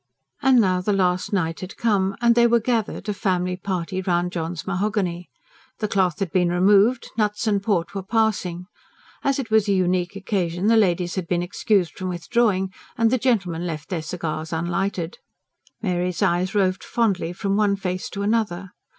And now the last night had come; and they were gathered, a family party, round John's mahogany. The cloth had been removed; nuts and port were passing. As it was a unique occasion the ladies had been excused from withdrawing, and the gentlemen left their cigars unlighted. Mary's eyes roved fondly from one face to another.